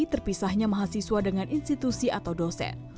terpisahnya mahasiswa dengan institusi atau dosen